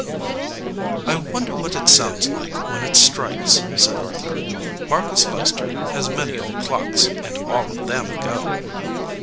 "I wonder what it sounds like when it strikes," said Arthur. "Marcus Leicester has many old clocks, and all of them go."